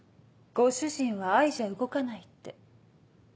ご主人は愛じゃ動かないって。